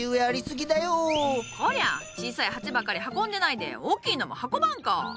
こりゃ小さい鉢ばかり運んでないで大きいのも運ばんか！